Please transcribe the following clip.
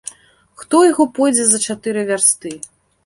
Хто яго пойдзе за чатыры вярсты.